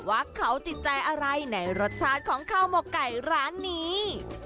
ว่าเขาติดใจอะไรในรสชาติของข้าวหมกไก่ร้านนี้